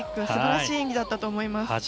すばらしい演技だったと思います。